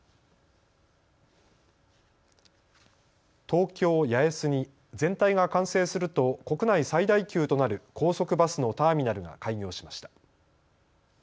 東京八重洲に全体が完成すると国内最大級となる高速バスのターミナルが開業しました。